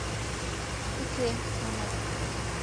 — Уке, — манат.